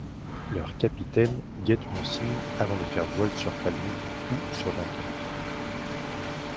Leurs capitaines guettent mon signe avant de faire voile sur Falmouth ou sur Dunkerque.